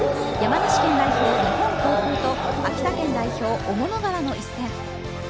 山梨県代表・日本航空と秋田県代表・雄物川の一戦。